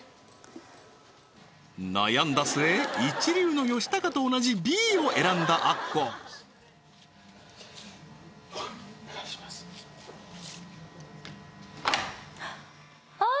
悩んだ末一流の吉高と同じＢを選んだアッコお願いしますああー！